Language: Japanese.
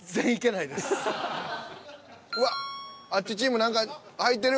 うわっあっちチーム何か入ってる。